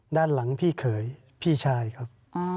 ด้านหลังพี่เขยพี่ชายครับ